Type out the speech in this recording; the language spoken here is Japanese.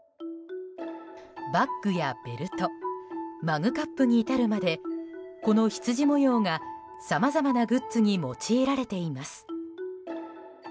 バッグやベルトマグカップに至るまでこのヒツジ模様が、さまざまなグッズに用いられています。